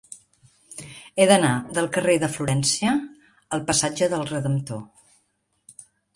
He d'anar del carrer de Florència al passatge del Redemptor.